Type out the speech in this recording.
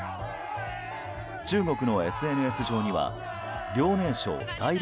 中国のＳＮＳ上には遼寧省大連